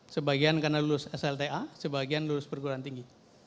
sebagian karena lulus slta sebagian lulus perguruan tinggi